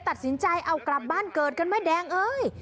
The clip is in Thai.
ตัดสินใจเอากลับบ้านเกิดกันไหมแดงเอ้ย